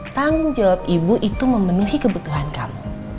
tanggung jawab ibu itu memenuhi kebutuhan kamu